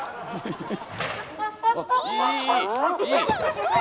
すごい！